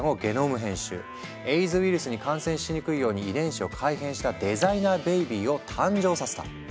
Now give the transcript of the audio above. エイズウイルスに感染しにくいように遺伝子を改変したデザイナーベビーを誕生させた。